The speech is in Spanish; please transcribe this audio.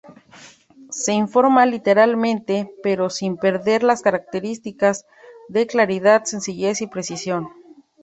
Se informa literariamente pero sin perder las características de claridad, sencillez y precisión.